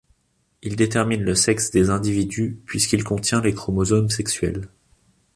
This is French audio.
Il détermine le sexe des individus, puisqu'il contient les chromosomes sexuels.